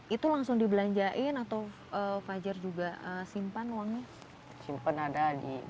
itu langsung dibelanjain atau pajar juga simpan uangnya